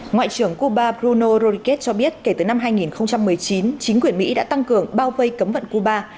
ngoại trưởng cuba bruno rodriguez cho biết kể từ năm hai nghìn một mươi chín chính quyền mỹ đã tăng cường bao vây cấm vận cuba